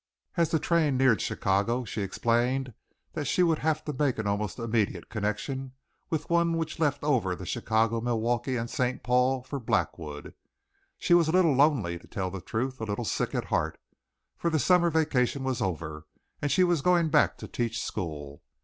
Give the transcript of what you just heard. As the train neared Chicago she explained that she would have to make an almost immediate connection with one which left over the Chicago Milwaukee and St. Paul, for Blackwood. She was a little lonely, to tell the truth, a little sick at heart, for the summer vacation was over and she was going back to teach school.